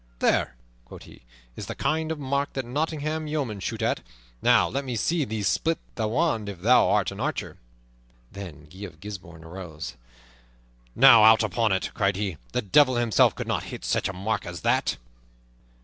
"There," quoth he, "is the kind of mark that Nottingham yeomen shoot at. Now let me see thee split that wand if thou art an archer." Then Guy of Gisbourne arose. "Now out upon it!" cried he. "The Devil himself could not hit such a mark as that."